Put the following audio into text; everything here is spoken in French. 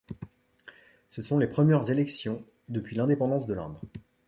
Ce sont les premières élections depuis l'Indépendance de l'Inde.